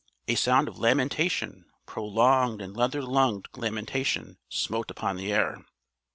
A sound of lamentation prolonged and leather lunged lamentation smote upon the air.